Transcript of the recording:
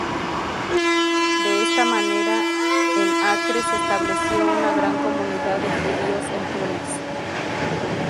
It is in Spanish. De esta manera, en Acre se estableció una gran comunidad de Judíos en Túnez.